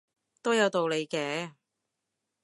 都有道理嘅